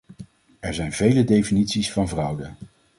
Er zijn vele definities van fraude.